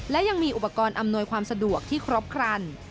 และยังมีอุปกรณ์อำนวยความสะดวกที่ครบครัน